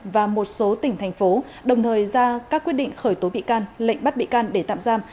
và một số tỉnh thành phố đồng thời ra các quyết định khởi tố bị can lệnh bắt bị can để tạm giam